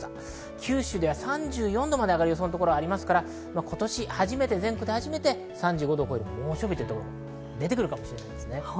九州では３４度まで上がる所もありますから全国で初めて３５度を超える猛暑日のところも出てくるかもしれません。